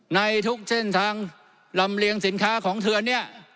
ในทุกเส้นทางลำเลียงสินค้าของเถื่อนเนี่ย